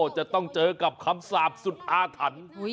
จะต้องเจอกับคำสาปสุทธาทัน